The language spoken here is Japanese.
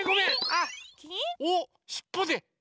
あっおしっぽで！